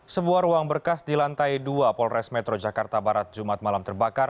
sebuah ruang berkas di lantai dua polres metro jakarta barat jumat malam terbakar